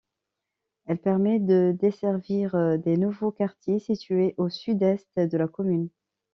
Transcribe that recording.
Elle permet de desservir des nouveaux quartiers situés au sud-est de la commune.